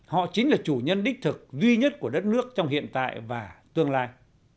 họ chính là chủ nhân đích thực duy nhất của đất nước trong hiện tại và tương lai